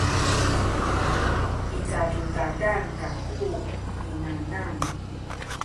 i cacudadan kaku minanam